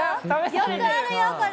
よくあるよこれ。